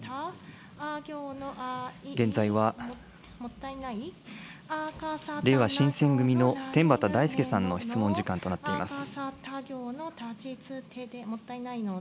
現在は、れいわ新選組の天畠大輔さんの質問時間となっています。